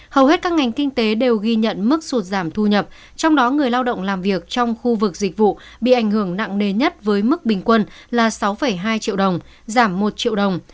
hầu hết các ngành kinh tế đều ghi nhận mức sụt giảm thu nhập trong đó người lao động làm việc trong khu vực dịch vụ bị ảnh hưởng nặng nề nhất với mức bình quân là sáu hai triệu đồng giảm một triệu đồng